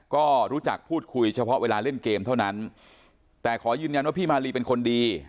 ก็รู้จักพูดคุยเฉพาะเวลาเล่นเกมเท่านั้นแต่ขอยืนยันว่าพี่มาลีเป็นคนดี